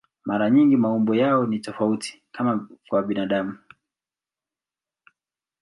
Mara nyingi maumbo yao ni tofauti, kama kwa binadamu.